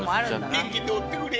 元気でおってくれ。